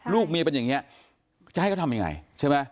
ลูกเมียเป็นอย่างนี้จะให้เขาทำยังไงใช่ไหม